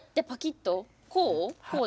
こう？